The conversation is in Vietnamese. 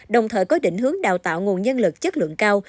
đồng thời có định hướng đào tạo nguồn nhân lực chất lượng cao